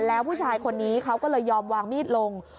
แล้วผู้ชายคนนี้เขาก็เลยยอมวางมีดลง